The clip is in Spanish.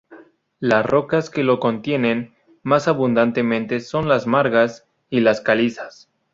Las rocas que los contienen más abundantemente son las margas y las calizas.